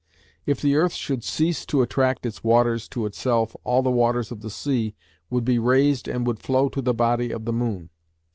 If the earth should cease to attract its waters to itself all the waters of the sea would he raised and would flow to the body of the moon.